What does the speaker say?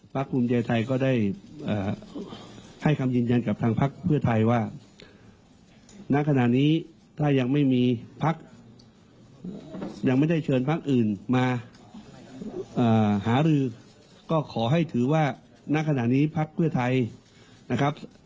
ภูมิใจไทยก็ได้ให้คำยืนยันกับทางพักเพื่อไทยว่าณขณะนี้ถ้ายังไม่มีพักยังไม่ได้เชิญพักอื่นมาหารือก็ขอให้ถือว่าณขณะนี้พักเพื่อไทยนะครับ